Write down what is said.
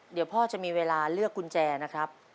เดี๋ยวพ่อจะมีเวลาเลือกกุญแจนะครับ